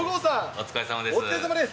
お疲れさまです。